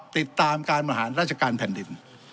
ติดตามการบริหารราชการแผ่นดิน